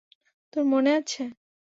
তোর মনে আছে?